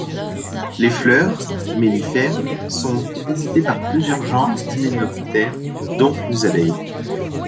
Les fleurs, mellifères, sont visitées par plusieurs genres d’hyménoptères, dont les abeilles.